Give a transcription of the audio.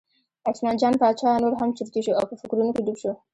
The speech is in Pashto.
عثمان جان باچا نور هم چرتي شو او په فکرونو کې ډوب شو.